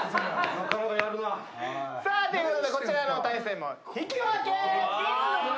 なかなかやるな。ということでこちらの対戦も引き分け！